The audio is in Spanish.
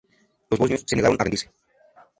Los bosnios se negaron a rendirse.